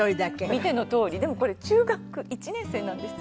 見てのとおりでもこれ中学１年生なんです。